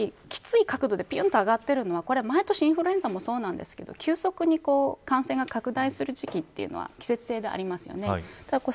かなり、きつい角度でビューンと上がっているのはこれは毎年、インフルエンザもそうなんですけど急速に感染が拡大する時期というのは季節性があります。